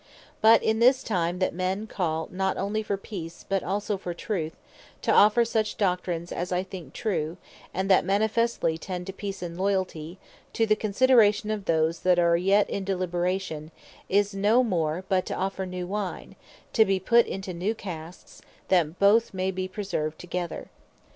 But in this time, that men call not onely for Peace, but also for Truth, to offer such Doctrines as I think True, and that manifestly tend to Peace and Loyalty, to the consideration of those that are yet in deliberation, is no more, but to offer New Wine, to bee put into New Cask, that bothe may be preserved together.